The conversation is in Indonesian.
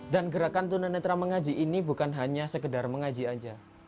dan gerakan tunanetra mengaji ini bukan hanya sekedar mengaji saja